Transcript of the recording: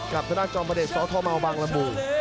กับทดาสจองประเด็นสตร์ธอมเราบางละบุ